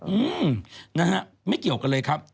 อืมนะฮะไม่เกี่ยวกันเลยครับ